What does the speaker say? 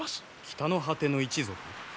北の果ての一族？